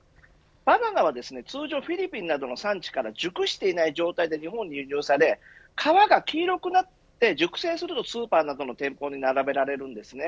バナナはですね、通常フィリピンなどの産地から熟していない状態で日本に輸入され皮が黄色くなって、熟成するとスーパーなどの店頭に並べられるんですね。